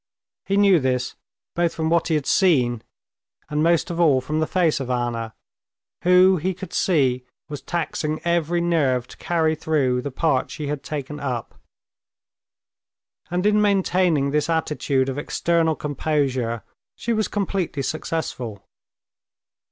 He knew this both from what he had seen, and most of all from the face of Anna, who, he could see, was taxing every nerve to carry through the part she had taken up. And in maintaining this attitude of external composure she was completely successful.